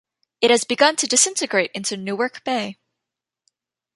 It has begun to disintegrate into Newark Bay.